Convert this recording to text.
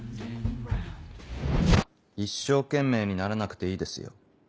一生懸命にならなくていいですよ。